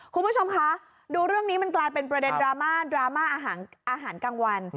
คุณผู้ชมคะดูเรื่องนี้มันกลายเป็นประเด็นดราม่าดราม่าอาหารกลางวัน